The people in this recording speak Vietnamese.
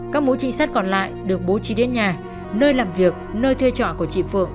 các mũi trinh sát còn lại được bố trí đến nhà nơi làm việc nơi thuê trọ của chị phượng